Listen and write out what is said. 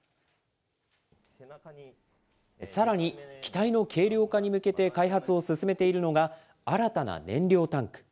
さらに機体の軽量化に向けて開発を進めているのが、新たな燃料タンク。